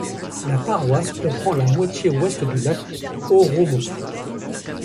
La paroisse comprend la moitié ouest du lac Oromocto.